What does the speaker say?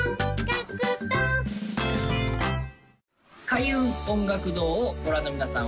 開運音楽堂をご覧の皆さん